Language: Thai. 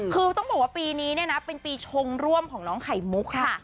คือต้องบอกว่าปีนี้เนี่ยนะเป็นปีชงร่วมของน้องไข่มุกค่ะ